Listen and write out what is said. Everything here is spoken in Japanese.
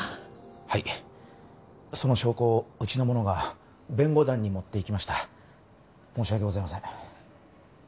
はいその証拠をウチの者が弁護団に持っていきました申し訳ございません